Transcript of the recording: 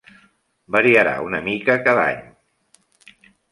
Variarà una mica cada any.